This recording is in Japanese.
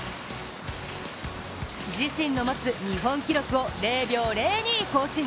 自身の持つ日本記録を０秒０２更新。